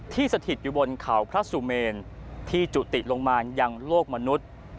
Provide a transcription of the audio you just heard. สถิตอยู่บนเขาพระสุเมนที่จุติลงมายังโลกมนุษย์